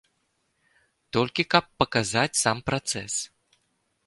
Толькі каб паказаць сам працэс?